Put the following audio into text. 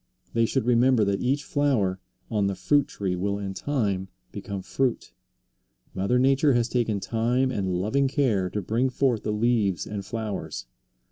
They should remember that each flower on the fruit tree will in time become fruit. Mother Nature has taken time and loving care to bring forth the leaves and flowers.